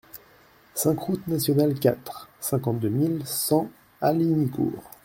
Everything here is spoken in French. cinq route Nationale quatre, cinquante-deux mille cent Hallignicourt